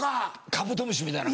カブトムシみたいな。